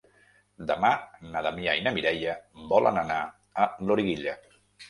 Demà na Damià i na Mireia volen anar a Loriguilla.